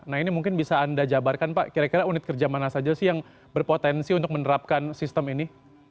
nah ini mungkin bisa anda jabarkan pak kira kira unit kerja mana saja sih yang berpotensi untuk menerapkan sistem ini